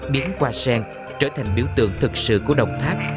biến qua sen trở thành biểu tượng thực sự của đồng thác